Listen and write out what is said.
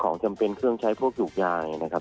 จำเป็นเครื่องใช้พวกยูกยายนะครับ